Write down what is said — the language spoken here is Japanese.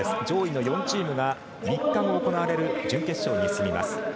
上位の４チームが３日後行われる準決勝に進みます。